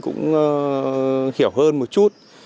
cũng hiểu hơn một chút